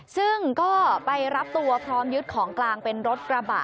ซึ่งก็ไปรับตัวพร้อมยึดของกลางเป็นรถกระบะ